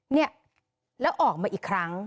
เนี่ยแล้วออกมาอีกครั้ง